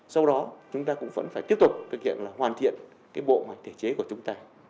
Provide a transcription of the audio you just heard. sau đó chúng ta cũng vẫn phải tiếp tục thực hiện là hoàn thiện cái bộ mặt thể chế của chúng ta